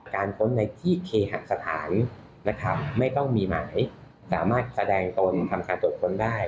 ค้นในที่เคหสถานนะครับไม่ต้องมีหมายสามารถแสดงตนทำการตรวจค้นได้